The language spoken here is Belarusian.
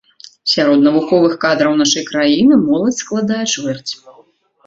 Сярод навуковых кадраў нашай краіны моладзь складае чвэрць.